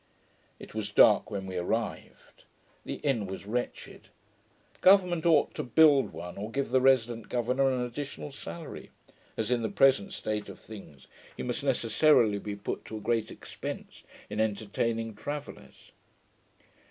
It was dark when we arrived. The inn was wretched. Government ought to build one, or give the resident governour an additional salary; as in the present state of things, he must necessarily be put to a great expence in entertaining travellers.